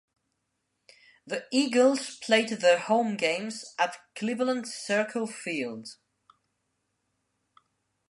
The Eagles played their home games at Cleveland Circle Field.